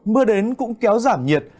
mưa đến cũng kéo giảm nhiệt